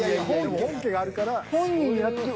本家があるから。